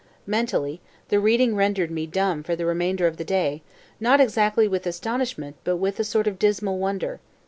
Mentally, the reading rendered me dumb for the remainder of the day, not exactly with astonishment but with a sort of dismal wonder.